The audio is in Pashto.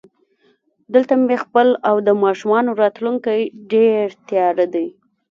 دلته مې خپل او د ماشومانو راتلونکی ډېر تیاره دی